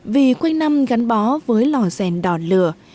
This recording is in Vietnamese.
vì quên năm gắn bó với lò rèn đòn lửa